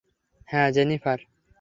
হ্যাঁ, জেনিফার।